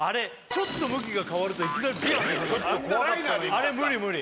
ちょっと向きが変わるといきなりビュンってあれ無理無理